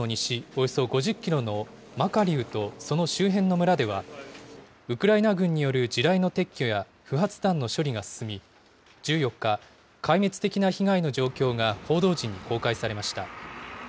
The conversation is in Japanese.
およそ５０キロのマカリウとその周辺の村では、ウクライナ軍による地雷の撤去や不発弾の処理が進み、１４日、壊滅的な被害の状況が報道陣に公開されました。